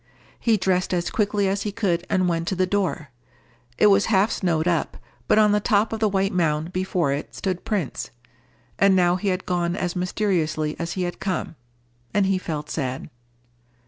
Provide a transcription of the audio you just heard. He dressed as quickly as he could, and went to the door. It was half snowed up, but on the top of the white mound before it stood Prince. And now he had gone as mysteriously as he had come, and he felt sad.